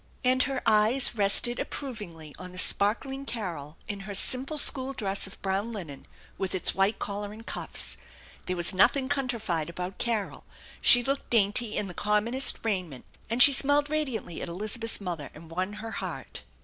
And her eyes rested approvingly on the sparkling Carol in her simple school dress of brown linen with its white collar and cuffs. There was nothing countrified about Carol. She looked dainty in the commonest raiment, and she smiled radiantly at Elizabeth's mother and won her heart.